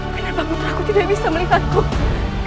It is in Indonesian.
kenapa aku tidak bisa melihatku